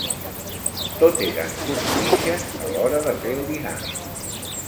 Tot eren corruixes a l'hora de fer el dinar.